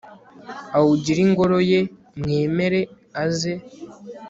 awugire ingoro ye, mwemere, aze